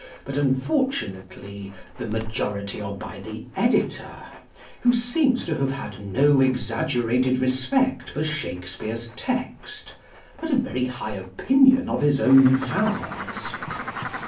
but unfortunately the majority are by the editor, who seems to have had no exaggerated respect for Shakespeare's text, but a very high opinion of his own powers.